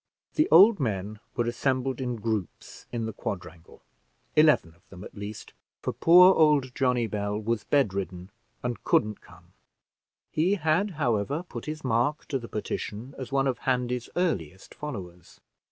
The old men were assembled in groups in the quadrangle eleven of them at least, for poor old Johnny Bell was bed ridden, and couldn't come; he had, however, put his mark to the petition, as one of Handy's earliest followers.